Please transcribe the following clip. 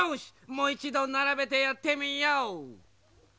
もういちどならべてやってみよう！